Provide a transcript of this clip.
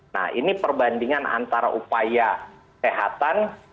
nah ini perbandingan antara upaya kesehatan